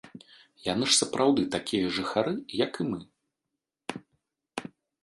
Яны ж сапраўды такія жыхары, як і мы.